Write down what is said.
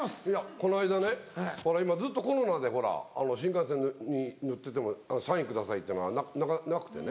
この間ねほら今ずっとコロナで新幹線に乗ってても「サインください」ってのはなくてね。